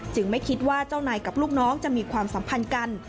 ไม่คิดว่าเจ้านายกับลูกน้องจะมีความสัมพันธ์กัน